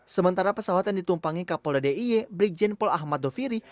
sementara pesawat yang ditumpangi kapolda d i e brigjen pol ahmad doviri